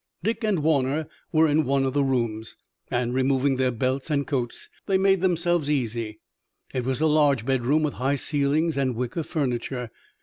Dick and Warner were in one of the rooms, and, removing their belts and coats, they made themselves easy. It was a large bedroom with high ceilings and wicker furniture.